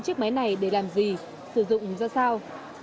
chiếc máy này để làm gì sử dụng ra sao